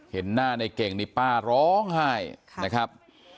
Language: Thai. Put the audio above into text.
เห็นหน้าในเก่งนี่ป้าร้องไห้นะครับ